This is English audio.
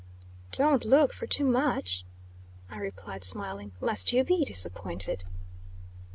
"Don't look for too much," I replied, smiling, "lest you be disappointed."